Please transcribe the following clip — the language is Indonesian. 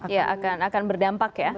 iya akan berdampak ya